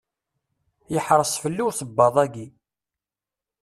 Yeḥreṣ fell-i usebbaḍ-agi.